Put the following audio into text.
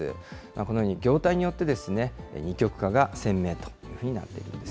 このように、業態によって二極化が鮮明というふうになっているんです。